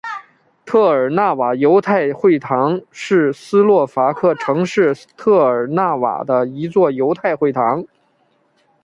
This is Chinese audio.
特尔纳瓦犹太会堂是斯洛伐克城市特尔纳瓦的一座犹太会堂。